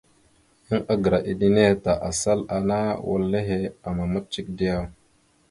Yan agra eɗe nehe ta asal ana wal nehe amamat cek diyaw ?